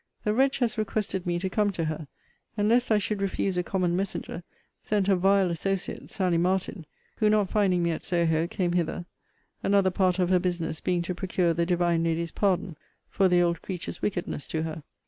The wretch has requested me to come to her; and lest I should refuse a common messenger, sent her vile associate, Sally Martin; who not finding me at Soho, came hither; another part of her business being to procure the divine lady's pardon for the old creature's wickedness to her.